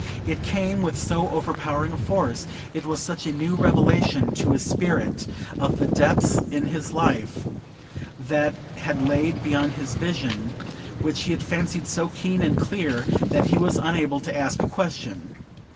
It came with so overpowering a force,—it was such a new revelation to his spirit, of the depths in life that had lain beyond his vision, which he had fancied so keen and clear,—that he was unable to ask a question.